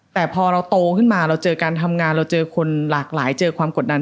แต่พอเราโตขึ้นมาเราเจอการทำงานเราเจอคนหลากหลายเจอความกดดัน